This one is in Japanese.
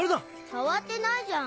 触ってないじゃん。